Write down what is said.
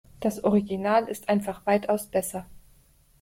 Das Original ist einfach weitaus besser.